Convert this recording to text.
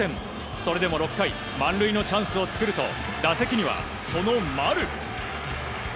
それでも６回満塁のチャンスを作ると打席には、その丸。